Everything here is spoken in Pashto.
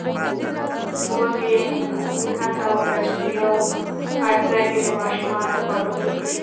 وزې هڅه وکړه چې په يو پټ ځای کې د ماشومانو خواږه پټ کړي.